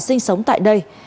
sinh sống tại đây